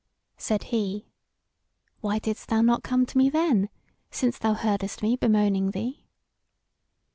Said he, "Why didst thou not come to me then, since thou heardest me bemoaning thee?"